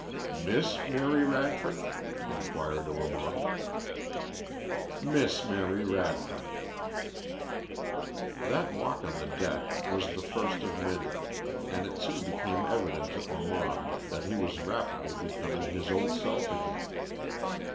"Miss Mary Radford?" inquired Ormond. "Miss Mary Radford." That walk on the deck was the first of many, and it soon became evident to Ormond that he was rapidly becoming his old self again.